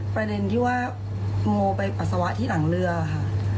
ประเด็นที่ว่าโมไปปัสสาวะที่หลังเรือค่ะ